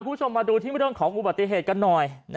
คุณผู้ชมมาดูที่เรื่องของอุบัติเหตุกันหน่อย